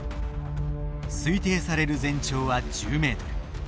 推定される全長は１０メートル。